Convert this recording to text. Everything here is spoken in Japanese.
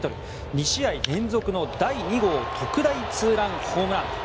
２試合連続の第２号特大ツーランホームラン。